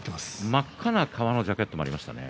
真っ赤な革のジャケットもありましたね。